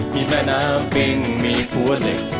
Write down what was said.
มีแม่น้ำเบิ้งมีผัวเหล็ก